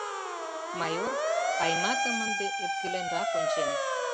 Майор Айматым ынде ӧпкеленрак ончен.